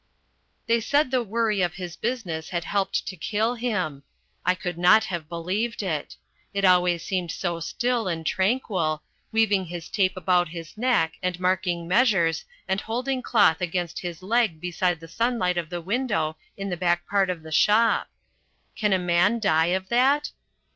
They said the worry of his business had helped to kill him. I could not have believed it. It always seemed so still and tranquil weaving his tape about his neck and marking measures and holding cloth against his leg beside the sunlight of the window in the back part of the shop. Can a man die of that?